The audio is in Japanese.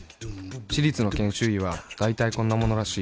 私立の研修医はだいたいこんなものらしい